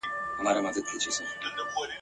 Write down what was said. دا یو څو ورځي ژوندون دی نازوه مي ..